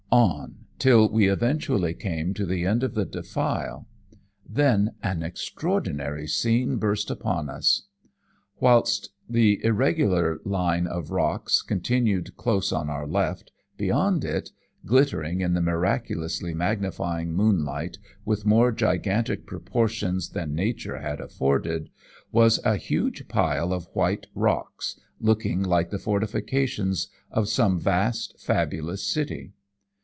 On, till we eventually came to the end of the defile. Then an extraordinary scene burst upon us. "Whilst the irregular line of rocks continued close on our left, beyond it glittering in the miraculously magnifying moonlight with more gigantic proportions than nature had afforded was a huge pile of white rocks, looking like the fortifications of some vast fabulous city.